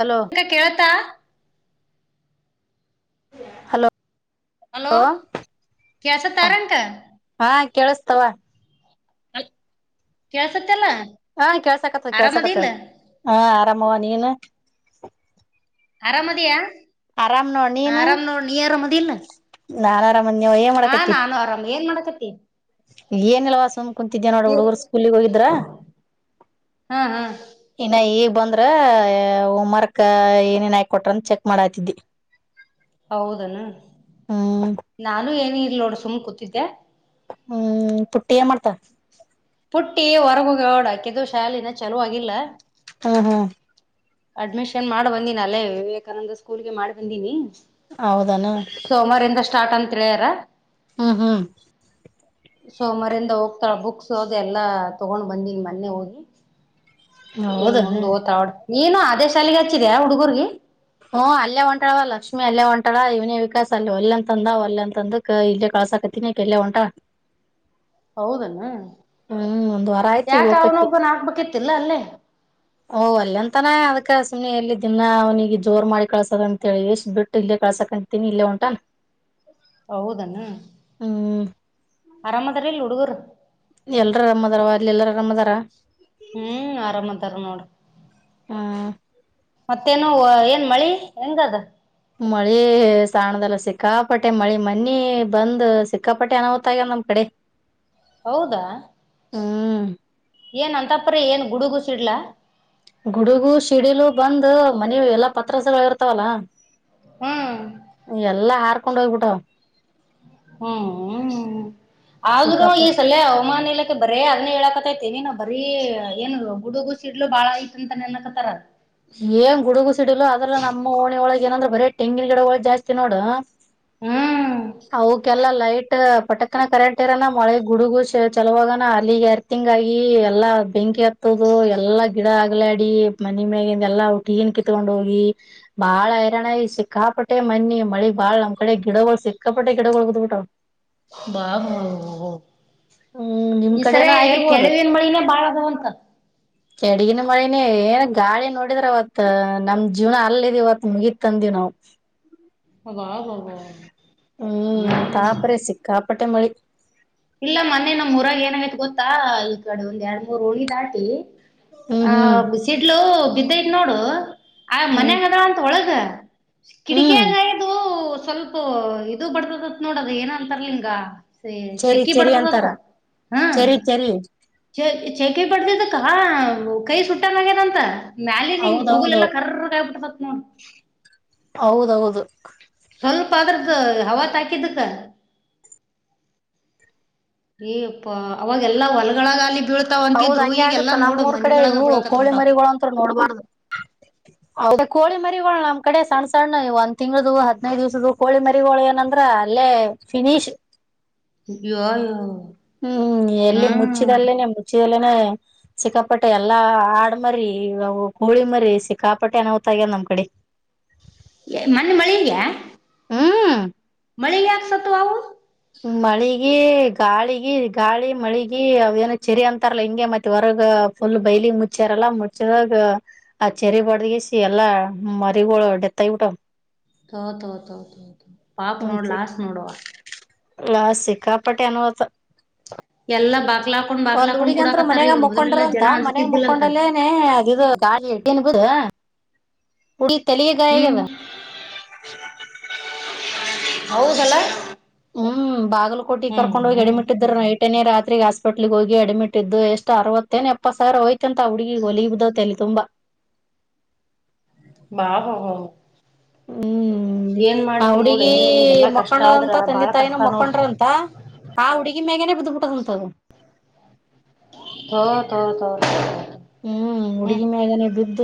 Hello ಈಗ ಕೇಳತಾ hello hello ಕೇಳ್ಸ ತ ರೇಣಕ ಕೇಳಿಸ್ತವಾ ಅಲ್ ಕೆಳ್ಸತ್ತ ಅಲ್ಲಾ. ಹ ಕೆಳ್ಸಾಕತ್ತು ಕೆಳ್ಸಾಕತ್ತು ಹ ಆ. ತಮ್ಮವ ನೀನ. ಆರಾಮ ಅದಿಯಾ. ಆರಾಮ್ ನೋಡ್ ನೀ ಆರಾಮ ಅದಿ ಇಲ್ಲ. ನಾರಾಕ. ಹಾ ನಾನು ಆರಾಮ ಏನ್ ಮಾಡಕತ್. ತ್ತಿ. ಏನ್ಲೋ ಸುಮ್ ಕುಂನ್ತಿದ್ಯಾ ನೋಡು ಹುಡುಗುರು ಸ್ಕೂಲಿಗೆ ಹೋಗಿದ್ರಾ ಹಾ ಹಾ ಇನ್ನ ಈಬ್. ಬಂದ್ರ ಅ ಎ ಹೋಮ್ ವರ್ಕ್ ಕ ಏನೇನ್ ಆಯ್ಕ ಕೊಟ್ರಂತ ಚೆಕ್ ಮಾಡಾತಿದ್ದಿ. ಹೌದಅನ ನಾನು ಏನು ಇಲ್. ಇಲ್ಲ ನೋಡ್ ಸುಮ್ಮ್ ಕುತ್ತಿದ್ಯಾ. ಹ್ಮ್ ಪುಟ್ಟಿ ಏನ್ ಮಾಡ್ತಾ. ಪುಟ್ಟಿ ಹೊರಗ ಹೊಗ್ಯಾಳ್ ನೋಡ್ ಅಕಿದು ಶಾಲಿ ಇನ ಚಾಲು ಆಗಿಲ್ಲಾ. ಹ್ಹೂ ಹೂ. ಅಡ್ಮಿಷನ್ ಮಾಡ ಬಂದೀನ ಅಲ್ಲೇ ವಿವೇಕಾನಂದಾ ಸ್ಕೂಲ್ಗೆ ಮಾಡ ಬಂದೀನಿ. ಹೌದನ ಸೋಮವಾರರಿಂದಾ ಸ್ಟಾರ್ಟ್ ಅಂತ. ಪ್ರೇರಾ. ಹ್ಮೂ ಹ್ಮ. ಸೋಮವಾರಿಂದ ಹೋಗ್ತಾಳ ಬುಕ್ಸ್ ಅದು ಎಲ್ಲಾ ತಗೊಂಡ್ ಬಂದೀನ್ ಮನ್ನೆ ಹೋಗಿ. ಇನ್ ಹೌದನ ಮುಂದು ಓತ್ತಾಳ ನೋಡ್. ನೀನು ಆದೇ ಶಾಲಿಗೆ ಹಚ್ಚಿದ್ಯಾ ಹುಡುಗುರ್ಗೆ. ಹ್ಮ್ ಅಲ್ಲೇ ಹೊಂಟಾಳವ ಲಕ್ಷ್ಮಿ ಅಲ್ಲೇ ಹೊಂಟಾಳಾ ಇವ್ನೇ ವಿಕಾಸ್ ಅಲ್ಲಿ ಒಲ್ಲೆಂತಂದಾವ ಒಲ್ಲೆಂತಂದಕ ಇಲ್ಲೇ ಕಳ್ಸಾಕತ್ತಿನಿ ಅಕಿ ಎಲ್ಲೇ ಹೊಂಟಾಳಾ. ಹೌದನ ವಾರ ಆಯ್ತು ಈಗ ಯಾಕ ಹೋಕತಿ ಅವನೊಬ್ಬ ನಾ ಹಾಕ್ಬೇಕಿತ್ತಲ್ಲ ಅಲ್ಲೇ. ಓ ವಲ್ಲೆಂತ್ತಾನಾ ಅದಕ ಸುಮ್ನೆ ಎಲ್ಲಿ ದ್ದಿನಾ ಅವನಿಗೆ ಜೋರ್ ಮಾಡಿ ಕಳ್ಸದಂತೇಳಿ ಎಸ್ ಬಿಟ್ಟು ಇಲ್ಲೇ ಕಳ್ಸಾಕಂತೀನಿ ಇಲ್ಲೇ ಹೊಂಟಾನ. ಹೌದನ ಹ್ಮ್ ಆರಾಮ ಅದಾರ ಇಲ್ಲ ಹುಡುಗುರು. [inaudible] ಎಲ್ರು ಅರಾಮ್ ಅದಾರವಾ ಅಲ್ಲಿ ಎಲ್ಲಾರ ಅರಾಮ ಅದಾರಾ. ಹ್ಮ್ ಆರಾಮ ಅದಾರ ನೋಡ. ಹ್ಹಾ. ಮತ್ತೇನುವ ಏನ್ ಮಳಿ ಹೆಂಗಅದ. ಮಳೆ ಸಾಣ್ದಲ್ಲ ಸಿಕ್ಕಾಪಟ್ಟೆ ಮಳಿ ಮನ್ನಿ ಬಂದ್ ಸಿಕ್ಕಾಪಟ್ಟೆ ಅನಾಹುತ ಆಗ್ಯವ ನಮ್ ಕಡೆ. ಹೌದಾ. ಹ್ಮ್. ಏನ್ ಅಂತಾಪ್ರೇ ಏನ್ ಗುಡುಗು ಸಿಡ್ಲಾ. ಗುಡುಗು ಸಿಡಿಲು ಬಂದು ಮನಿ ಎಲ್ಲಾ ಪತ್ರಸಗಳು ಇರ್ತಾವಲ್ಲ. ಹ್ಮ್ ಎಲ್ಲಾ ಹಾತ್.. ಕರ್ಕೊಂಡು ಹೋಗ್ಬಿಟ್ಟ. ಹ್ಮ್ ಹ್ ಆದ್ರು ಈ ಸಿಕ್ಕಾಪಟ್ ಸಲ್ಲಿಯ ಅವಮಾನಿಲ. ಬರೇ ಅದ್ನೆ ಹೇಳಕತೈತ್ ತಲಿ ನೋವ್. ಬರೀ ಏನುದು. ಗುಡುಗು ಸಿಡ್ಲು ಬಾಳ ಐತಂತ ನೆನ್ಕತಾರ. ಏನ್ ಗುಡುಗು ಸಿಡಿಲ್ಲ ಅದ್ರ ನಮ್ಮ್ ಓಣಿ ಒಳಗ್ ಏನಂದ್ರೆ ಬರೀ ಟೆಂಗಿನ ಗಿಡಗಳ್ ಜಾಸ್ತಿ ನೋಡು. ಹ್ಮ್ ಆವು ಕೆ. ಎಲ್ಲಾ ಲೈಟ್ ಪಟಕ್ನ ಕರೆಂಟ್ ಇರಾನ ಮಳೆ ಗುಡುಗು ಚಲುವಾಗನ ಅಲ್ಲಿಗೆ ಎರ್ತಿಂಗ್ ಆಗಿ ಎಲ್ಲಾ ಬೆಂಕಿ ಹತ್ತುದು ಎಲ್ಲಾ ಗಿಡ ಆಗ್ಲಾಡಿ ಮನೆ ಮ್ಯಾಗಿನ್. ಎಲ್ಲ ಒಟೀಗೀನ್ ಕಿತ್ಕೊಂಡ್ ಹೋಗಿ ಬಾಳ್ ಹೈರಾಣಾಗಿ ಸಿಕ್ಕಾಪಟ್ಟೆ ಮನ್ನಿ ಮಳಿಗ್ ಬಾಳ್ ನಮ್ ಕಡೆ ಗಿಡಗಳು ಸಿಕ್ಕಾಪಟ್ಟೆ ಗಿಡಗಳು ಬಿದ್ಬುಟ್ಟವು. ಹ್ಮ್ ನಿಮ್ [unintelligible] ಈ ಕಡೆನ ಸರೇ ಆಗಿರ್ಬೋದು ಕೆಡವಿನ್ ಮಳಿನೇ ಬಾಳ ಅದವಂತ. ಕೆಡಗಿನ ಮಳಿನೇ ಏನ್ ಗಾಳಿ ನೋಡಿದ್ರ ಅವತ್ ನಮ್ ಜೀವನ ಅಲ್ಲ್ ಇದ್ ಇವತ್ ಮುಗೀತಂದ್ವಿ ನಾವು. ಹವಾ [unintelligible] ಹ್ಮ್ ನಮ್ ತಾಪ್ರೆ ಸಿಕ್ಕಾಪ್.. ಪಟ್ಟೆ ಮಳಿ. ಇಲ್ಲ ಮೊನ್ನಿ ನಮ್ಮ್ರಾಗ ಏನಾಗೈತ್ ಗೊತ್ತಾ ಈ ಕಡೆ ಒಂದ್ ಎರಡ್ ಮೂರ್ ಉಳಿ ದಾಟಿ. ಹ್ಮ್ ಆ ಹ್ಮ್ ಬಿಸಿಡ್ಲು. ಬಿದ್ದೈತ್ ನೋಡು. ಆ ಹ್ಮ್ ಮನ್ಯಾಗ ಅದಳ್ ಅಂತ ಒಳಗ. ಹ್ಮ್ ಕಿಡಿಕ್ಯಾಗ್ ಹೈದು. ಸ್ವಲ್ಪ್ ಇದು ಕೊಡ್ತದಂತ್ ನೋಡದ ಏನ ಅಂತರ್ಲಿ ಹಿಂಗ. ಚೆರಿ ಶೆಕಿ ಚೆರಿ ಅಂತಾರ ಬಡ್ದದತ್ತ ಹಾ ಚೆರಿ ಚೆರಿ. ಶೆಕಿ ಬಡ್ದುದಕ್ಕ ಕೈ ಸಟ್ಟಾಂಗ್ ಆಗ್ಯಾದಂತ. ಮ್ಯಾಲ ನೀನ್ ತೊಗುಲ್ ಹೌದೌದು ಎಲ್ಲಾ ಕರ್ರಗ್ ಹಾಗ್ಬಿಟ್ಟದತ್ ನೋಡ್. ಹೌದೌದು ಹೊ ಅವತಾಕಿದ್ದಕ್ಕ. ಏ ಯಪ್ಪಾ ಅವಾಗೆಲ್ಲಾ ಹೊಲ್ಗಳಗಾಲಿ. ಹೌದ್ ಹಂಗೆ ಆಗುತ್ತ ನಮ್ಮೂರ್ ಕಡೆ ಇವು ಬೀಳಾಕತ್ತ ಕೋಳಿ ಬಿಟ್ಟಾವ ಮರಿಗಳ ಅಂತ್ರು ನೋಡ್ಬಾರ್ದು. ಹೌದ ಕೋಳಿ ಮರಿಗೊಳ ನಮ್ ಕಡೆ ಸಣ್ಣ ಸಣ್ಣ ಇ ಒಂದ್ ತಿಂಗಳ್ದ ಹದ್ನೈದು ದಿವ್ಸದ್ದ ಕೋಳಿ ಮರಿಗೋಳ್ ಏನಂದ್ರ ಅಲ್ಲೇ ಫಿನಿಶ್. ಯೋಯೊ ಹ್ಮ್ ಎಲ್ಲಿ ಮುಚ್ಚಿದಲ್ಲೇನೆ ಮುಚ್ಚಿ. ಸಿಕ್ಕಾಪಟ್ಟೆ ಎಲ್ಲಾ ಆಡ್ಮರಿ ಕೊಳಿ ಮರಿ ಸಿಕ್ಕಾಪಟ್ಟೆ ಅನಾಹುತ ಆಗ್ಯದ ನಮ್ ಕಡೆ ಎ ಮನ್ನೆ ಮಳಿಗ್ಯಾ. ಹ್ಮ್ ಮಳಿಗ್ ಯಾಕ್ ಸತ್ವು ಆವು. ಮಳಿಗಿ ಗಾಳಿಗಿ ಗಾಳಿ ಮಳಿಗಿ ಅವ ಏನ ಚೆರಿ ಅಂತಾರಲ್ಲ ಹಿಂಗೆ ಮತ್ತೆ ಹೊರಗ ಫುಲ್ ಬೈಲಿ ಮುಚ್ಚ್ಯಾರಲ್ಲ ಮುಚ್ಚಿದಾಗ ಆ ಚರಿ ಬಡ್ದಗಿಸಿ ಎಲ್ಲಾ ಮರಿಗಳು ಡೆತ್ ಆಗ್ಬಿಟ್ಟಾವ್. ತೊ ತೊ ತೊ ತೊ ಪಾಪ ನೋಡ್ ಲಾಸ್ಟ್ ನೋಡವಾ. ಲಾಸ ಸಿಕ್ಕಾಪಟ್ಟಿ ಅನಾಹುತ. ಎಲ್ಲಾ ಬಾಕ್ಲಾಕೊಂಡ್ ಒಂದ್ ಬಾಕ್ಲಾಕೊಂಡ್ ಹುಡಿಗಂತ್ರು ಕುಡಾಕತ್ತಾರ ಮನ್ಯಾಗ ಈಗ ಮೊದಲೆಲ್ಲಾ ಮುಕೊಂಡ್ರಂತ ಜನ ಮನ್ಯಾಗ ಅನ್ಸ್ತಿದ್ದಿಲ್ಲಂತ ಮುಕ್ಕೊಂಡಲ್ಲನೆ ಅದಿದು ಗಾ ರ್ [unintelligible] ಹುಡಿಗ್ ತಲಿಗೆ ಗಾಯಾಗ್ಯಾದ. ಹೌದ ಅಲ್ಲ. ಹುಂ ಬಾಗ್ ಕೋಟಿ ಕರ್ಕೊಂಡ ಹೋಗಿ ಹ್ಮ್ ಎಡಿಮಿಟ್ಟಿದ್ದ್ರ ನೈಟ್. ಎಟನೇ ರಾತ್ರಿ ಹಾಸ್ಪಿಟ್ಲ್ಗ್ ಹೋಗಿ ಅಡ್ಮಿಟ್ ಇದ್ದು ಎಷ್ಟ್ ಅರ್ವತ್ತೇನ್ ಎಪ್ಪತ್ ಸಾವಿರ ಹೊಯ್ತಂತ ಆ ಹುಡ್ಗಿಗ್ ಹೊಲಿ ಬಿದ್ದಾವ್ ತಲಿ ತುಂಬಾ. ಬಾಬ ಬ ಬ ಬ ಹ್ಮ್ ಆ ನೋಡಿ ಹುಡುಗಿ ಇನ್ ಹಿಂಗೆಲ್ಲಾ ಕಷ್ಟ ಮಕ್ಕೊಂಡದಂತ ಆದ್ರ ತಂದೆ ಬಾಳ ತಾಯಿನೂ ಕಷ್ಟ ನೋಡ್ ಮಕ್ಕೊಂಡ್ರಂತ ಆ ಹುಡ ಈ ಮ್ಯಾಗೆನೆ ಬುದ್ಬುಟ್ಟದಂತದು. ತೊ ತೊತೊ ತೊ ಹ್ಮ್ ಹುಡುಗಿ ಮ್ಯಾಗನೆ ಬಿದ್ದ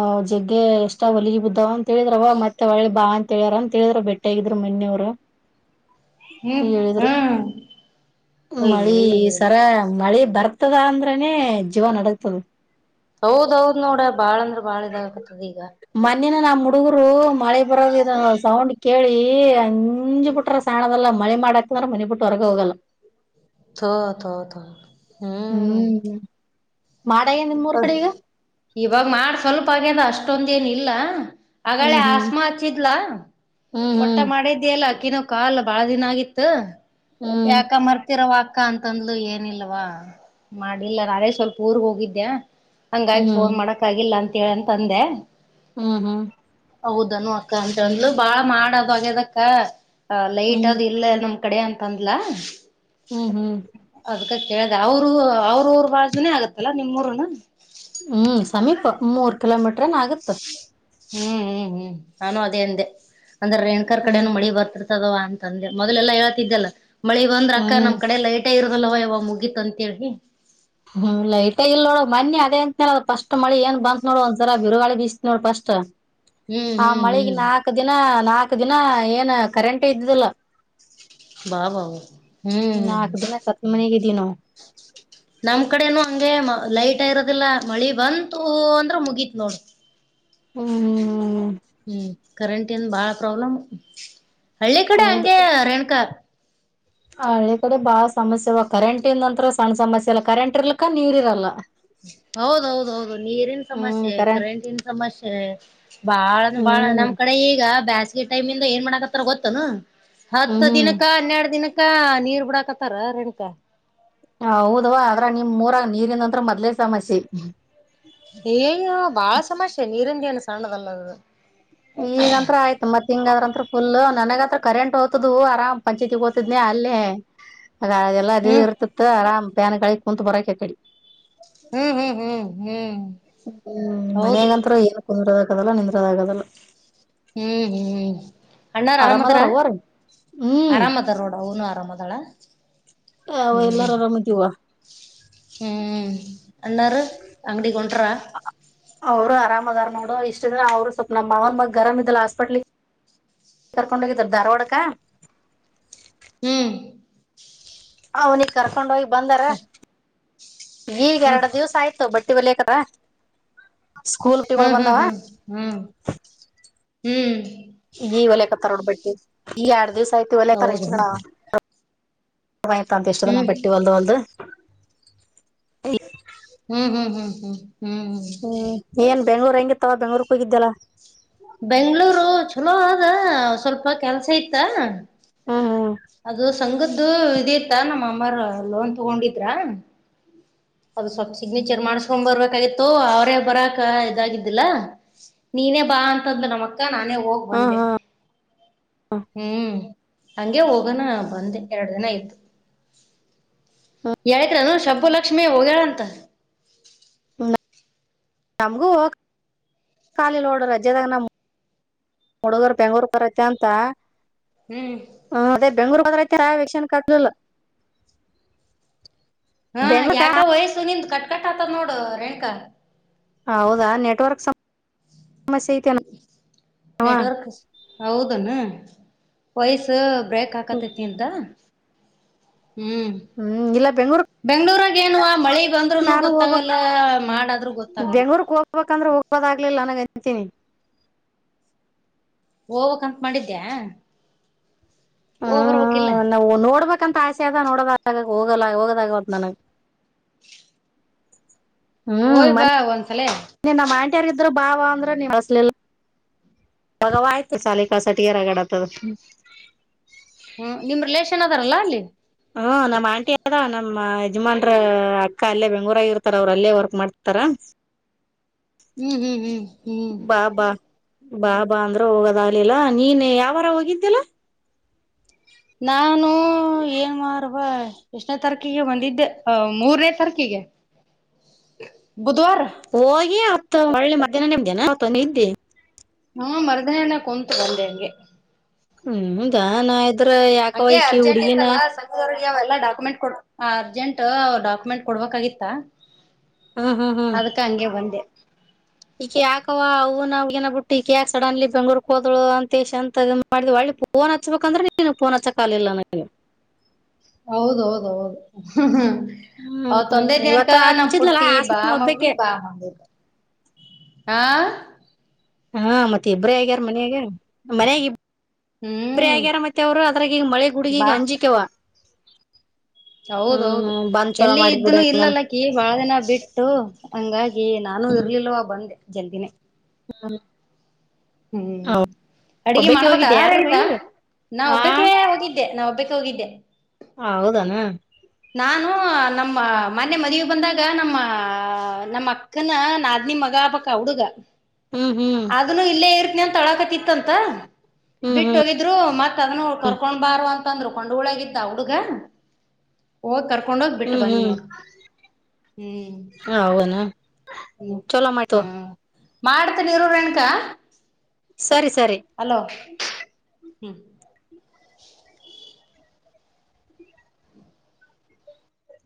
ಅ ಜಗ್ಗೆ ಎಷ್ಟ ಹೊಲಗಿ ಬಿದ್ದವ ಅಂತ ಹೇಳಿದ್ರವ ಮತ್ತೆ ಒಳ್ಳಿ ಬಾ ಅಂತ ಹೇಳ್ಯಾರ ಅಂತ ಹೇಳಿದ್ರ ಬೆಟ್ಟೆ ಆಗಿದ್ರರು ಮನ್ನೆ ಯವರು ಹ್ಮ್ ಹೇಳಿದ್ರ ಹ್ಮ್ ಮಳಿ ಅಯ್ಯಯ್ಯೋ ಸರ ಮಳಿ. ಬರ್ತದ ಅಂದ್ರನೇ ಜೀವಾ ನಡ ತದ ಹೌದೌದ್ ನೋಡ ಬಾಳ ಅಂದ್ರ. ಬಾಳಿ ಇದಾ ಕತದ್ ಈಗ. ಮನಿನ ನಮ್ ಹುಡುಗರು ಮಳೆ ಬರದ ಸೌಂಡ್ ಕೇಳಿ ಅಂಜ ಬಿಟ್ರ ಸಾಣದಲ್ಲ ಮಳೆ ಮಾಡಾಕಂದ್ರ ಮನಿ ಬಿಟ್ಟ ಹೊರಗ ಹೋಗಲ್ಲಾ. ತೊ ತೊ ತೊ ತೋ ಹ್ಮ್ ಮಾಡಾಗೇನ್ ನಿಮ್ಮೂರ್ ಅ ಕಡೆ ಈಗ ಇವಾಗ ಮಾಡ ಸ್ವಲ್ ಪ್ಪಾಗ್ಯಾದ ಅಷ್ಟೊಂದ್ ಏನ ಇಲ್ಲಾ. ಆಗಳೆ ಹ್ಮ್ ಹ್ಮ್ ಆಸ್ಮಾ ಹಚ್ಚಿದ್ಲಾ ಹ್ಮ್ ಒಟ್ಟ ಹ್ಮ್ ಮಾಡಿದ್ಯಲ್ಲ. ಕಿನೋ ಕಾಲ್ ಬಾಳ ದಿನಾ ಆಗಿತ್ತ. ಹ್ಮ್ ಯಾಕ ಮರ್ತಿರವಾ. ಕ್ಕಾನ ತಂದ್ಲು ಏನಿಲ್ವಾ ಮಾಡಿಲ್ಲಾ ನಾನೆ ಸ್ವಲ್ಪ ಊರ್ ಹೋಗಿದ್ದ್ಯಾ. ಹಂಗಾಗಿ ಫೋನ್ ಮಾಡಕ್ ಆಗಿಲ್ಲಾ ಅಂತ. ಟೀಯಾನ್ ತಂದೆ. ಮ್ಮ್ ಹ್ಮ್. ಔದನು ಅಕ್ಕಾ ಅಂತ ತಂದ್ಲು ಬಾಳ ಮಾಡದು ಆಗ್ಯದಕ್ಕ. ಹ ಲೈಟ್ ಹ್ಮ್ ಅದು ಇಲ್ಲೇ ನಮ್. ಕಡೆಯಾ ಅಂತಂದ್ಲಾ. ಹ್ ಹ್ಮ್. ಅದಕ ಕೇಳ್ದ್ಯಾ ಅವ್ರು ಅವ್ರುಊರ್ ಬಾಜುನೇ ಆಗತ್ತಲ್ಲಾ ನಿಮ್ಮೂರನ. ತಮೀಪ ಮೂರ್ ಕಿಲೋಮೀಟ್ರನ್ ಆಗುತ್ತ. ಹ್ಮ್ ಹ್ಮ್ ಹ್ಮ್ ನಾನು ಅದೇ ಅಂದೆ. ಅಂದ್ರ ರೇಣುಕಾರ್ ಹ್ಮ್ ಕಡೆನು ಮಳಿ ಬರ್ತಿರ್ತದುವಾ ಅನ್. ತಂದೆವ ಮೊದಲ ಎಲ್ಲಾ ಹೇಳತಿದ್ದಲ್ಲ. ಮಳಿ ಬಂದ್ರ ಅಕ್ಕಾ ಹ್ಮ್ ನಮ್ ಕಡೆ ಲೈಟ್. ಟೇ ಇರದುಲ್ವ ಯವ ಮುಗೀತ್ ಅಂತ ತೇಳಿ. ಹ್ಮ ಲೈಟ್ ಇಲ್ಲ ನೋಡ ಹೋಗ ಮನ್ನಿ ಅದೇ ಅಂತ ಫಸ್ಟ್ ಮಳಿ ಏನ್ ಬಂತ ನೋಡು ಒಂದ್ ಸಲಾ ಬಿರುಗಾಳಿ ಬೀಸಿತ ನೋಡ್ ಫಸ್ಟ್ ಹ್ಮ್ ಆ ಹ್ಮ್ ಮಳಿಗೆ ಹ್ಮ್ ನಾಕ್ ದಿನಾ. ನಾಕ ದಿನಾ ಏನ್ ಕರೆಂಟೆ ಇದ್ದಿದ್ದಿಲ್ಲ. ಬಾ ಬಾ ಬಾಬ. ನಾಕ್ ದಿನಾ ತ್ತಪ್ಪಿ ಮನೀಗ ಇದ್. ದಿ ನವ್. ನಮ್ಮ ಕಡೆನು ಹಂಗೆ ಮ ಲೈಟ ಇರೋದಿಲ್ಲಾ ಮಳಿ ಬಂತು ಅಂದ್ರ ಮುಗೀತ್ ನೋಡ್. ಹ್ಮ್ ಹ್ಮ್ ಹ್ಮ. ಈ ಕರಿಂಟಿನ್ ಭಾಳ ಪ್ರಾಬ್ಲಮ್ಮು. ಹಳ್ಳಿ ಕಡೆ ಹಂಗೆ ರೇಣುಕಾ. ಆ ಹಳ್ಳಿ ಕಡೆ ಬಾಳ ಸಮಸ್ಯೆವ ಕರೆಂಟ್ ಇಲ್ಲ ಅಂತ್ರು ಸಣ್ಣ ಸಮಸ್ಯೆ ಇಲ್ಲಾ ಕರೆಂಟ್ ಇರ್ಲಕ್ಕ ನೀರ್ ಇರಲ್ಲಾ. ಹೌದೌ ಹೌದ ಹೌದು ನೀರಿನ್ ಹ್ಮ್ ಸಮಸ್ಯೆ ಕರೆಂಟ್ ಕರೆಂಟಿನ್ ಸಮಸ್ಯೆ ಬಾಳ ಅಂನ ಬಾಳ ಹ್ಮ್ ನಮ್ ಕಡೆ ಈಗ ಬ್ಯಾಸ್. ಈ ಟೈಮಿಂದ ಏನ್ ಮಾಡಾಕತ್ತಾರ ಗೊತ್ತನು. ಹ್ಮ್ ಹತ್ತ ಹ್ಮ್ ದಿನಕ್ಕ ಹನ್ನೆರಡ ದಿನಕ್ಕ. ಕಾ ನೀರ್ ಬಿಡಾಕತ್ತಾರಾ ರೇಣುಕಾ. ಹೌದ್ವಾ ಅದ್ರಾಗ್ ನಿಮ್ಮ ಊರಾಗ್ ನೀರಿನಂತ್ರ ಮದ್ಲೇ ಸಮಸ್ಯೆ. ಏಯ್ಯಇಯೋ ಬಾಳ ಸಮಸ್ಯೆ ನೀರಿಂದ ಎನ್. ಸಣ್ಣದಲ್ಲ ಅದದ. ಈಗ ಅಂತ್ರ ಆಯ್ತ್ ಮತ್ತ್ ಹಿಂಗ ಆದ್ರ ಅಂತ್ರ ಫುಲ್ಲು ನನಗತ್ರ ಕರೆಂಟ್ ಹೋತ್ತುದು ಆರಾಮ್ ಪಂಚಾಯತಿ ಗೋತಿದ್ನೇ ಅಲ್ಲೇ. ಅದ ಅದೆಲ್ಲಾ ಅದ ಹ್ಮ್ ಇರ್ತತ್ ಆರಾಮ್. ಪ್ಯಾನ್ಗಳಿ ಕುಂತ್ ಬಿಡ್ಕೀ ಆಕಡಿ. ಹ್ಮ್ ಹ್ಮ್ ಹ್ಮ್ ಹ್ಮ್ ಹ್ಮ್ ಹೌದು ಮನ್ಯಾಗ ಅಂತ್ರು ಏನು ಕುಂದ್ರೋದ ಆಗದಲ್ಲ ನಿಂದ್ರೋದ ಆಗದಲ್ಲಾ. ಹ್ಮ್ ಹ್ಮ್ ಅಣ್ಣಾರ್ ಆರಾಮ್ದಾರ ಆರಾಮದಾರ ಅವ್ವರಿ ಹ್ಮ್ ಆರಾಮ್ದಾರ ನೋಡ ಅವನು ಆರಾಮ್ ಅದಾಳ ಅವ ಹ್ಮ್ ಎಲ್ಲಾರ ಆರಾಮದೀವ ಹ್ಮ್. ಅನ್ನಾರ ಅಂಗಡಿಗೊ ಅವರು ಅರಾಮ್ ದರ ನೋಡ ಇಷ್ಟ ಇದ್ರ ಅವರು ಸ್ವಲ್ಪ ನಮ್ಮ ಮಾವನ ಮಗ ಆರಾಮ ಇದಲ್ಲ ಹಾಸ್ಪೆಟ್ಲಿಗ್ ಕರ್ಕೊಂಡ ಹೋಗಿದ್ರ ಧಾರವಾಡಕ. ಹ್ಮ್ ಅವನಿಗೆ ಕರ್ಕೊಂಡ ಹೋಗ್ ಬಂದರ. ಈಗ ಹ್ಮ್ ಎರಡ ದಿವಸ ಆಯ್ತು ಬಟ್ ವಲೇಕದ ಸ್ಕೂಲ್ ಟಿಗೋಲ್ ಹ್ಮ್ ಹ್ಮ್ ಬಂದಾವಾ ಹ್ಮ್ ಹ್ಮ್ ಹ್ಮ್ ಹಿ ಒಲೆ ಕಪ್ ತೋಡ್ಬಿಟ್ಟು ಈ ಎರಡ್ ದಿವ್ಸ ತಿ ಆಯ್ತಾ ಹೋಲ್ಯ ಕತ್ತಾರ್ ಎಸ್ಟ್ ಹೌದನ ದಿನಾ ಯ್ತ ಅಂತ ಇಷ್ಟ ದಿನಾ ಹ್ಮ್ ಬಟ್ಟಿ ಒಲ್ದು ಒಲ್ದು. [inaudible] ಹ್ಮ ಹ್ಮ್ ಹ್ಮ್ ಏನ್ ಬೆಂಗ್ಳೂರ್ ಹೆಂಗಿತ್ತವಾ ಬೆಂಗಳೂರ್ಕ ಹೋಗಿದ್ದ ಅಲ ಬೆಂಗಳೂರು ಚುಲೋ ಅದ ಸ್ವಲ್ಪ ಕೆಲ್ಸ ಇತ್ತ. ಹ್ಮ್ ಹ್ಮ್ ಅದು ಸಂಗದ್ದು ಇದ ಇತ್ತಾ ನಮ್ಮ ಮಾಮರ ಲೋನ್ ತುಗೊಂಡಿದ್ರಾ. ಅದು ಸ್ವಲ್ಪ್ ಸಿಗ್ನೇಚರ್ ಮಾಡಸ್ಕೊಂಡ್ ಬರ್ಬೇಕಾಗಿತ್ತು ಅವರೇ ಬರಾಕ ಇದಾಗಿದ್ದಿಲ್ಲಾ ನೀನೇ ಬಾ ಅಂತಂದ ನಮಕ್ ಕ್ಕ ನಾನೇ ಹೋಗ್ ಹ್ಮ್ ಬಂದೆ ಹ್ಮ್ ಹ್ಮ್ ಹಂಗೆ ಹೋಗೋಣ ಬಂದೆ ಎರಡು ದಿನ ಇದ್ದು. ಎಳಕ್ರನು ಶಬ ಲಕ್ಷ್ಮೀ ಹೋಗ್ಯಾಳ ಅಂತ. ನಮಗೂ ಖಾಲಿ ನೋಡ ರಜೆದಾಗ ನಮ ಹುಡುಗರ್ ಬೆಂಗೂರ್ ಪರತೆ ಅಂತಾ. ಹ್ಮ್ ಹ ಅದೇ ಬೆಂಗ್ಳೂರ್ ಹೋದ್ರ ಐತಾ ಕೇನ್ ಕಟ್ಟಲೀಲ್ಲ. ಹಾ ಯಾಕ ವಯಸ್ಸು ನಿಂದ ಕಟ್ ಕಟ್ ಆತದ ನೋಡು ರೇಣಕಾ ಹೌದಾ ನೆಟ್ವರ್ಕ್ ಸ್ ಹೂ ನೆಟ್ವರ್ಕ್ ಹೌದನ ವಯಸ್ಸ ಬ್ರೇಕ್ ಹಾಕತೈತಿ ನಿಂದ ಹ್ಮ್ ಹ್ಮ್ ಇಲ್ಲ ಬೆಂಗ್ಳೂರ್ ಬೆಂಗಳೂರಾಗ್ ಕೇಣ್ವಾ ಮಳಿ ಬಂದ್ನು ನಾನು ಹೋಗ್ಬೇಕ್ ಗೊತ್ತಾಗಲ್ಲ ಮಾಡ ಆದ್ರೂ ಗೊತ್ತಾಗಲ್ಲ ಲಿಲ್ಲ. ನನಗ ಅಂತೀನಿ. ಹೊಕಬೇಕ್ ಅಂತ ಮಾಡಿದ್ದ್ಯಾ. ಓಗ ಬರಬೇಕ ಇಲ್ಲ. ಯಕಂತ ಆಸೆ ಅದ ನೋಡೋದ ಹೋಗಲ್ಲ ಹೋಗೋದ ಆಗವತ್ ನನಗ್ ಹ್ಮ್ ಹೋಯ್ ಬಾ ಒಂದ್ಸಲ ಮನ್ನೀ ನಮ್ಮ ಆಂಟಿಯಾರೀದ್ರ ಬಾವಾ ಅಂದ್ರ ನೀವ್ ಹಚ್ಚಲಿಲ್ಲ ಹೋಗವ್ವ ಆಯ್ತು ಸಾಲಿ ಕಳಸ ಕೊಟ್ಟಿಗೇ ರಗಡ್ ಆಗತ್ತದ ಹ್ಮ ನಿಮ್ಮ ರಿಲೇಷನ್ ಅದಾರಲ್ಲಾ ಅಲ್ಲಿ ಹ ನಮ್ಮ ಆಂಟಿ ಅದ ನಮ್ಮ ಯಜಮಾನ್ರ ಅಕ್ಕ ಅಲ್ಲೇ ಬೆಂಗಳೂರ ರಾಗ ಇರ್ತಾರ ಅವ್ರು ಅಲ್ಲೇ ವರ್ಕ್ ಮಾಡ್ತಿತಾರ ಹ್ಮ್ ಹ್ಮ್ ಹ್ಮ್ ಹ್ಮ್ ಬಾ ಬಾ ಬಾ ಬಾ ಅಂದ್ರ ಹೋಗದಾಗ್ಲಿಲ್ಲ ನೀನ್ ಯಾವಾರ ಹೋಗಿದ್ದಿಲ್ಲ ನಾನು ಏನ್ವಾರ್ ಬ ಎಷ್ಟನೇ ತಾರೀಕಿಗೆ ಒಂದಿದ್ದ ಮೂರನೇ ತಾರಕಿಗೆ ಹೋಗಿ ಮತ್ತ ಹೊಳ್ಳಿ ಮಧ್ಯಾಹ್ನ ನ ಬಂದಿ ಎನ್ ಅವತ್ತ ಒಂದ ಇದ್ದಿ ಹುಂ ಮರದಿನ ನ ಕುಂತ ಬಂದೇ ಹಂಗೆ ಹ್ಮ್ ದಾ ನಾಯದ್ ತ್ರ ಯಾಕವ್ ಇಕಿ ಹುಡುಗೀನ ಅವೆಲ್ಲ ಡಾಕ್ಯುಮೆಂಟ್ ಕೊಡ ಅರ್ಜೆಂಟ್ ಡಾಕ್ಯುಮೆಂಟ್ ಕೊಡ್ಬೇಕಾಗಿತ್ತಾ. ಹ್ಮ್ ಹ್ಮ್ ಹ್ಮ್ ಅದಕ ಹಂಗೆ ಬಂದೆ ಈಕಿ ಯಾಕವ ಅವ್ವನ ಹುಡುಗಿನ ಬಿಟ್ಟು ಈಕ ಯಾಕ್ ಸಡನ್ಲಿ ಬೆಂಗಳೂರು ಹೋದಳ ಅಂತೇಶ ಅಂತ ಮಾಡಿದ್ ಒಳ್ಳಿ ಫೋನ್ ಹಚ್ಬೇಕಂದ್ರೆ ನೀನು ಫೋನ್ ಹಚ್ಚಕ್ ಆಗಲಿಲ್ಲ ನನಗ. ಹೌದೌದೌದ ಹ ಹ ಹ ಹ್ಮ್ ಅವತ್ತ ಒಂದೇ ದಿನಕ್ಕ ಇವತ್ತ ನಮ್ಮ ಹಚ್ಚಿದ್ಲಲ್ಲಾ ಪುಟ್ಟಿ ಬಾ ಆಸ್ಮ ಮಮ್ಮಿ ಒಬ್ಬಕೆ ಬಾ ಮಮ್ಮಿ. ಹಾಂ ಹಾ ಮತ್ತ ಇಬ್ಬ್ರ ಆಗ್ಯಾರ ಮನೆಯಾಗೆ ಮನ್ಯಾಗ ಇಬ್ ಇಬ್ರೆ ಹ್ಮ್ ಆಗ್ಯಾರ ಮತ್ತೆ ಅವ್ರು ಅದ್ರಾಗ ಈಗ ಮಳೆ ಗುಡುಗಿ ಬಾ ಗೇ ಅಂಜಿಕ ವಾ. ಹೌದೌದು ಬಂದ್ ಚೊಲೋ ಎಲ್ಲಿ ಮಾಡಿದ್ ಬಿಡ ಇದ್ದೀನು ಹೆಂಗನ ಇಲ್ಲಲ್ಲ ಅಕಿ ಬಾಳ ದಿನ ಬಿಟ್ಟು ಹಂಗಾಗಿ ನಾನು ಇರ್ಲಿಲ್ವ ಬಂದೆ ಜಲ್ದಿನೆ ಹ್ಮ ಹ್ಮ್ ಅಡ್ಗೆ ಒಬ್ಬಕೆ ಮಾಡ್ಬೇಕ ಹೋಗಿದ್ದೆ ಆ ಯಾರ ರೇಣುಕಾ ಬೈಂದ್ರ ನಾ ಆ ಒಬ್ಬಕೆ ಹೋಗಿದ್ದೆ ನಾವಬ್ ಬ್ಬಕೆ ಹೋಗಿದ್ದೆ. ಹೌದನ. ನಾನು ನಮ್ಮ ಮನ್ನಿ ಮದುವಿ ಬಂದಾಗ ನಮ್ಮ ನಮ್ಮ ಅಕ್ಕನ ನಾದ್ನಿ ಮಗ ಆಗ್ಬೇಕ ಆ ಹುಡುಗ. ಹ್ಮ್ ಹ್ಮ್ ಅದನೂ ಇಲ್ಲೇ ಇರ್ತನ ಅ ತ ಅಳಾಕತ್ತಿತ್ತಂತ ಹ್ಮ್ ಬಿಟ್ಟ ಹ್ಮ್ ಒಗಿದ್ರು ಮತ್ ಅದನ್ನ ಕರ್ಕೊಂಡ್ ಬಾರವ ಅಂತ. ತಂದ್ರು ಕೊಂಡವಳ್ಯಗ ಇತ್ತ ಆ ಹುಡುಗಾ. ಹೋಗ್ ಕರ್ ರ್ಕೊಂಡೋಗ್ ಬಿಟ್ಟ ಹ್ಮ್ ಬಂದಿ ಹ್ಮ್ ನೋಡ ಹ್ಮ್ ಹೌನ ಹ್ಮ ಚಲೋ ಹ್ಮ್ ಮಾಡ್ತವ ಹಾ ಮಾಡ್ತನ ಇರು ರೇಣುಕಾ. ಸರಿ ಸರಿ ಹಲೋ ಹ್ಮ್